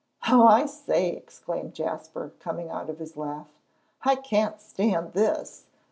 "Oh, I say!" exclaimed Jasper, coming out of his laugh, "I can't stand this.